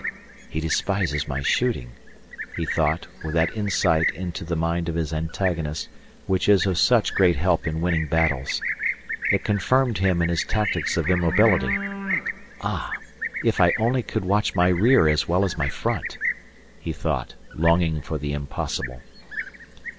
"He despises my shooting," he thought, with that insight into the mind of his antagonist which is of such great help in winning battles. It confirmed him in his tactics of immobility. "Ah! if I only could watch my rear as well as my front!" he thought, longing for the impossible.